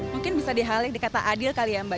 mungkin bisa dihalih di kata adil kali ya mbak